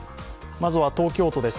まずは東京都です。